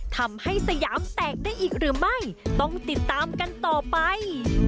สยามแตกได้อีกหรือไม่ต้องติดตามกันต่อไป